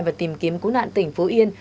và tìm kiếm cú nạn tỉnh phú yên